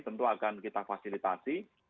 tentu akan kita fasilitasi